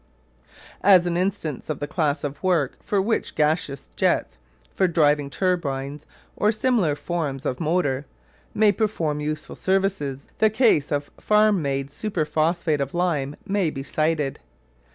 As an instance of the class of work for which gaseous jets, for driving turbines or similar forms of motor, may perform useful services the case of farm made superphosphate of lime may be cited.